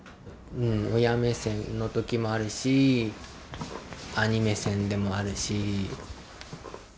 親目線の時もあるし兄目線でもあるし。